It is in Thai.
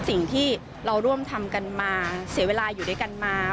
สิ่งที่เราร่วมทำกันมาเสียเวลาอยู่ด้วยกันมา